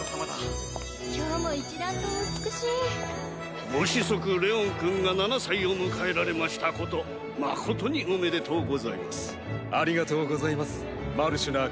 今日も一段とお美しいご子息レオンくんが７歳を迎えられましたこと誠におめでとうございますありがとうございますマルシュナー